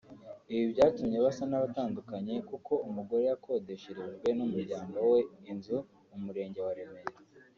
Ibi byatumye basa n’abatandukanye kuko umugore yakodesherejwe n’umuryango we inzu mu murenge wa Remera